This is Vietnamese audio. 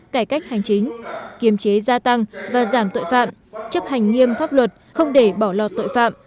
cải cách hành chính kiềm chế gia tăng và giảm tội phạm chấp hành nghiêm pháp luật không để bỏ lọt tội phạm